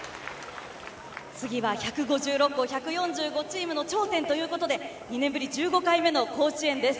次は１４６校１５２校の頂点ということで２年ぶり１５回目の甲子園です。